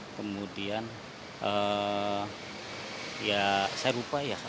kemudian ya saya lupa ya